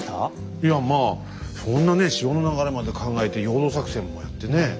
いやまあそんなね潮の流れまで考えて陽動作戦もやってね。